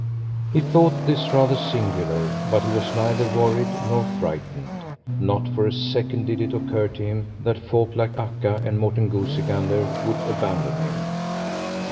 He thought this rather singular, but he was neither worried nor frightened. Not for a second did it occur to him that folk like Akka and Morten Goosey Gander would abandon him.